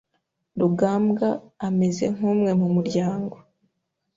Rugambwa ameze nkumwe mu muryango.